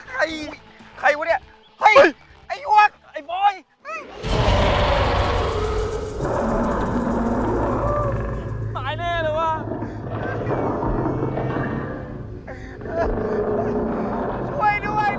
เฮ้ยหยุดเดี๋ยวนี่